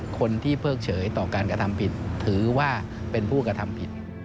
เพิกเฉยต่อการกระทำผิดถือว่าเป็นผู้กระทำผิด